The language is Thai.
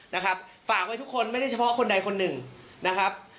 นะครับฝากไว้ทุกคนไม่ได้เฉพาะคนใดคนหนึ่งนะครับ